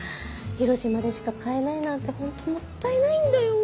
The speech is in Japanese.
広島でしか買えないなんてホントもったいないんだよ。